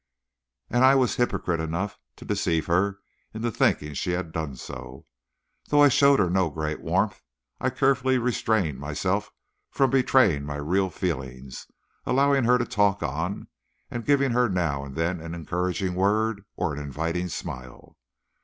And I was hypocrite enough to deceive her into thinking she had done so. Though I showed her no great warmth, I carefully restrained myself from betraying my real feelings, allowing her to talk on, and giving her now and then an encouraging word or an inviting smile.